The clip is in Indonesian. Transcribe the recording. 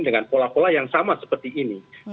dengan pola pola yang sama seperti ini